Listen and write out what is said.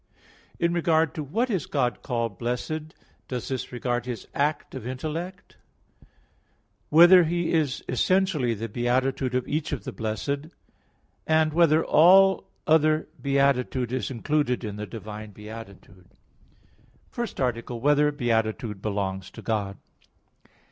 (2) In regard to what is God called blessed; does this regard His act of intellect? (3) Whether He is essentially the beatitude of each of the blessed? (4) Whether all other beatitude is included in the divine beatitude? _______________________ FIRST ARTICLE [I, Q. 26, Art. 1] Whether Beatitude Belongs to God?